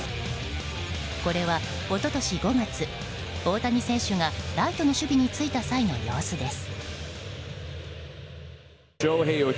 これは、一昨年５月大谷選手がライトの守備についた際の様子です。